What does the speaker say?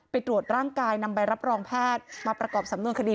ตรวจร่างกายนำใบรับรองแพทย์มาประกอบสำนวนคดี